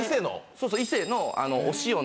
そうそう。